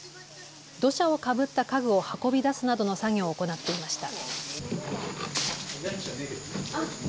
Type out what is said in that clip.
土砂をかぶった家具を運び出すなどの作業を行っていました。